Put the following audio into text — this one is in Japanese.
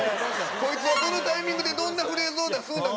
こいつはどのタイミングでどんなフレーズを出すんだ？